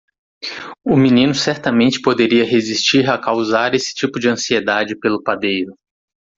O menino certamente poderia resistir a causar esse tipo de ansiedade pelo padeiro.